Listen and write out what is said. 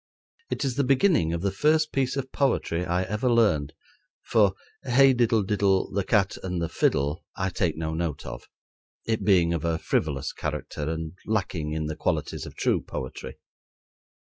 It is the beginning of the first piece of poetry I ever learned; for "Hey, diddle diddle, The cat and the fiddle," I take no note of, it being of a frivolous character and lacking in the qualities of true poetry.